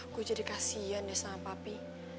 gue jadi kasihan deh sama papi